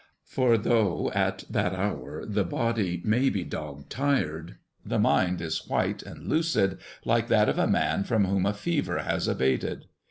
For though at that hour the body may be dog tired, the mind is white and lucid, like that of a man from whom a fever has abated.